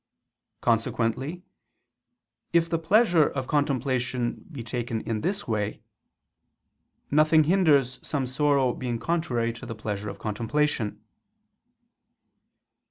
Consequently if the pleasure of contemplation be taken in this way, nothing hinders some sorrow being contrary to the pleasure of contemplation.